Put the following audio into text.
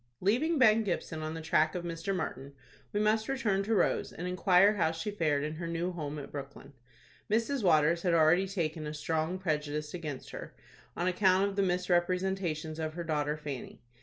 Leaving Ben Gibson on the track of Mr. Martin, we must return to Rose, and inquire how she fared in her new home at Brooklyn. Mrs. Waters had already taken a strong prejudice against her, on account of the misrepresentations of her daughter Fanny.